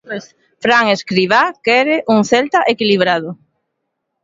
Fran Escribá quere un Celta equilibrado.